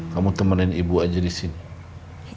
kamu temenin ibu aja disini